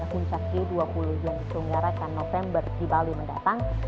dan mencapai puncak g dua puluh yang diselenggarakan november di bali mendatang